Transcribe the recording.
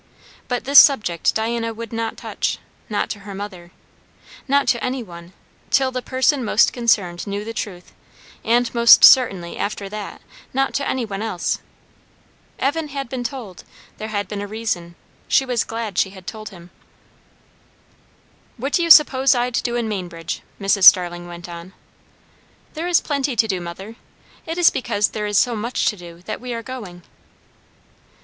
But this subject Diana would not touch. Not to her mother Not to any one, till the person most concerned knew the truth; and most certainly after that not to any one else. Evan had been told; there had been a reason; she was glad she had told him. "What do you suppose I'd do in Mainbridge?" Mrs. Starling went on. "There is plenty to do, mother. It is because there is so much to do, that we are going."